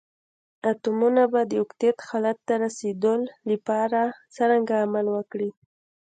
اتومونه به د اوکتیت حالت ته رسیدول لپاره څرنګه عمل وکړي؟